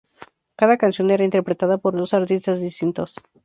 Cada canción era interpretada por dos artistas distintos.